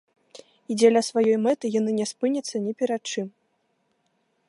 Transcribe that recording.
І дзеля сваёй мэты яны не спыняцца ні перад чым.